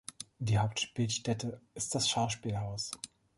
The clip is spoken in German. Die Hauptspielstätte ist das Schauspielhaus.